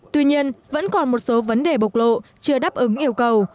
tuy nhiên vẫn còn một số vấn đề bộc lộ chưa đáp ứng yêu cầu